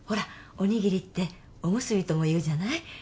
おにぎりって「おむすび」とも言うじゃない？